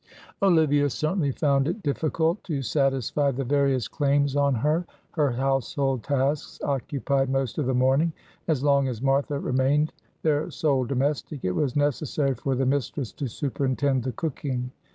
Olivia certainly found it difficult to satisfy the various claims on her; her household tasks occupied most of the morning; as long as Martha remained their sole domestic, it was necessary for the mistress to superintend the cooking.